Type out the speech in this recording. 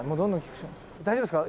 「大丈夫ですか？